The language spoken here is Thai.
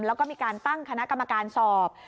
แล้วก็มีการตั้งคณะกรรมการสอบ